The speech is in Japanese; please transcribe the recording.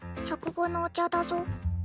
食後のお茶だぞ。